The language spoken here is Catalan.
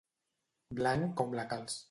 Blanc com la calç.